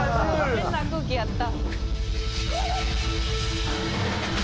「変な空気やった」